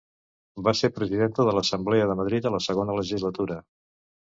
Va ser presidenta de l'Assemblea de Madrid a la segona legislatura.